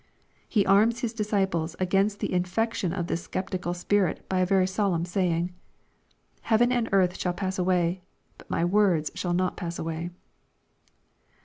He arms His disciples against the infection of this sceptical spirit by a very solemn saying. "Heaven and earth shall pass away : but my words shall not pass away."